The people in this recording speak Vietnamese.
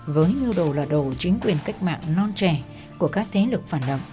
với mưu đồ là đầu chính quyền cách mạng non trẻ của các thế lực phản động